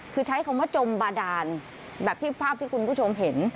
คือใช้คำว่าจมบาดานแบบที่ภาพที่คุณผู้ชมเห็น